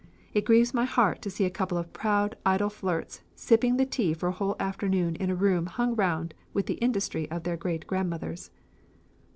It grieves my heart to see a couple of proud, idle flirts sipping the tea for a whole afternoon in a room hung round with the industry of their great grandmothers."